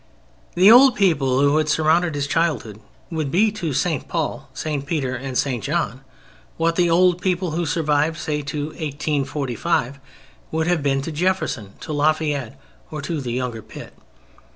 The old people who had surrounded his childhood would be to St. Paul, St. Peter and St. John what the old people who survived, say, to 1845, would have been to Jefferson, to Lafayette, or to the younger Pitt.